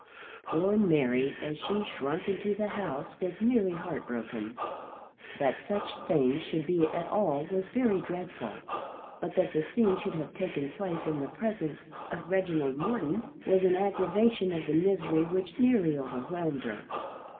Poor Mary as she shrunk into the house was nearly heartbroken. That such things should be at all was very dreadful, but that the scene should have taken place in the presence of Reginald Morton was an aggravation of the misery which nearly overwhelmed her.